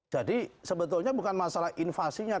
sebetulnya bukan masalah invasinya